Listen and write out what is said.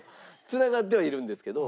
繋がってはいるんですけど。